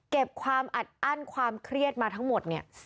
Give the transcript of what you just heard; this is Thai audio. เก็บความอัดอั้นความเครียดมาทั้งหมดเนี่ย